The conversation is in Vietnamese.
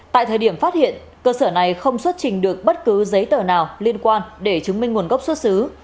tại thời điểm phát hiện cơ sở này không xuất trình được bất cứ giấy tờ nào liên quan để chứng minh nguồn gốc xuất xứ